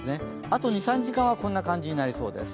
あと２３時間はこんな感じになりそうです。